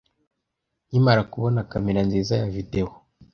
Nkimara kubona kamera nziza ya videwo,